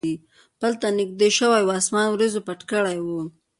پل ته نږدې شوي و، اسمان وریځو پټ کړی و.